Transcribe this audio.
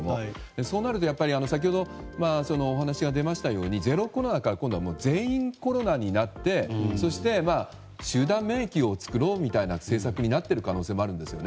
そうなると先ほどお話が出ましたようにゼロコロナから全員コロナになって集団免疫を作ろうみたいな政策になっている可能性もあるんですよね。